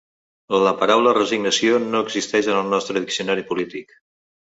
La paraula resignació no existeix en el nostre diccionari polític.